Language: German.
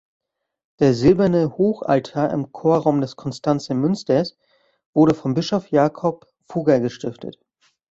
Der silberne Hochaltar im Chorraum des Konstanzer Münsters wurde von Bischof Jakob Fugger gestiftet.